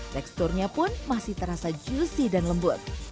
teksturnya pun masih terasa juicy dan lembut